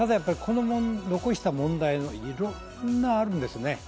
残した問題、いろんなものがあるんですね。